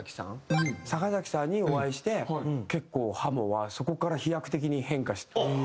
坂崎さんにお会いして結構ハモはそこから飛躍的に変化。